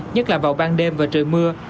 nhất là vào ban đêm và trời mưa